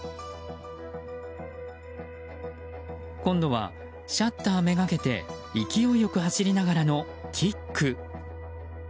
今度は、シャッターめがけて勢いよく走りながらのキック。